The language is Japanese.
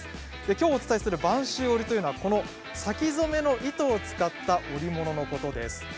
きょうご紹介する播州織というのは先染めの糸を使った織物のことです。